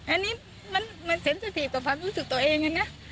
อันนี้มันเซ็นส์สนิทของความรู้สึกตัวเองอะนะ